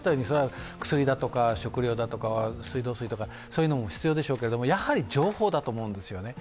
薬だとか食料とか水道水とかそういうのも必要でしょうがやはり情報だと思うんですよね。